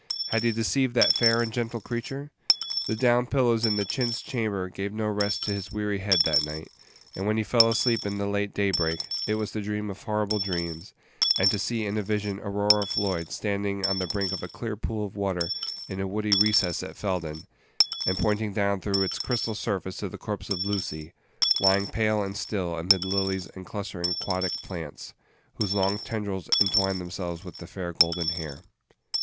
Had he deceived that fair and gentle creature? The down pillows in the chintz chamber gave no rest to his weary head that night; and when he fell asleep in the late daybreak, it was to dream of horrible dreams, and to see in a vision Aurora Floyd standing on the brink of a clear pool of water in a woody recess at Felden, and pointing down through its crystal surface to the corpse of Lucy, lying pale and still amid lilies and clustering aquatic plants, whose long tendrils entwined themselves with the fair golden hair.